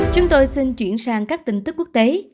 chúng tôi xin chuyển sang các tin tức quốc tế